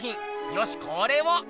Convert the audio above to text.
よしこれを。